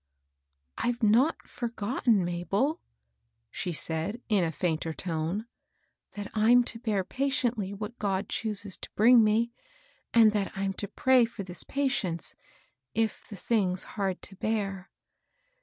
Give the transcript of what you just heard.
"I've not forgotten, Mabel," she said, in a iainter tone, *' that I'm to bear patiently what God chooses to bring me; and that I'm to pray for this patience, if the thing's hard to bear.